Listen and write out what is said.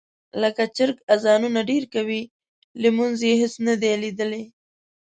لکه چرګ اذانونه ډېر کوي، لمونځ یې هېچا نه دي لیدلی.